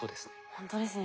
ほんとですね。